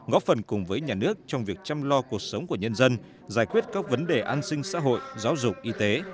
góp phần cùng với nhà nước trong việc chăm lo cuộc sống của nhân dân giải quyết các vấn đề an sinh xã hội giáo dục y tế